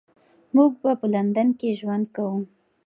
موږ به په لندن کې ژوند کوو.